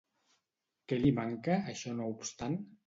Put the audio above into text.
Què li manca, això no obstant?